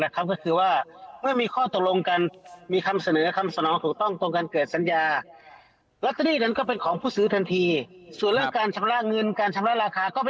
ครับซื้อขายลัตเตอรี่มันก็เหมือนซื้อขายอย่างอื่นนั่นแหละครับ